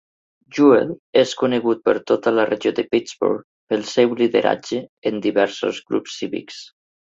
Jewell és conegut per tota la regió de Pittsburgh pel seu lideratge en diversos grups cívics.